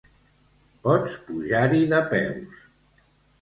Pots pujar-hi de peus.